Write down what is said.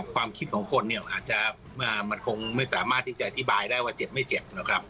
ความคิดของคนเนี่ยอาจจะมันคงไม่สามารถที่จะอธิบายได้ว่าเจ็บไม่เจ็บนะครับ